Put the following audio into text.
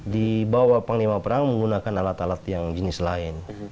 di bawah panglima perang menggunakan alat alat yang jenis lain